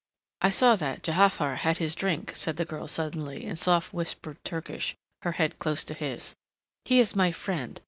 "I saw that Ja'afar had his drink," said the girl suddenly in softly whispered Turkish, her head close to his. "He is my friend.